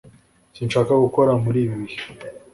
sinshaka gukora muri ibi bihe